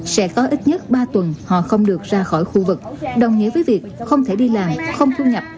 sẽ có ít nhất ba tuần họ không được ra khỏi khu vực đồng nghĩa với việc không thể đi làm không thu nhập